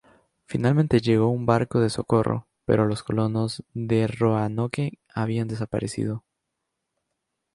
Finalmente llegó un barco de socorro, pero los colonos de Roanoke habían desaparecido.